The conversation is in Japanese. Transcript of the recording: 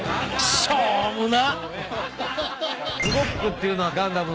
しょうもなっ！